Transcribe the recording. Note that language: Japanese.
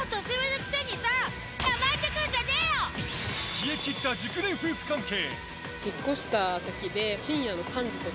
冷え切った熟年夫婦関係。